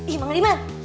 ih mak liman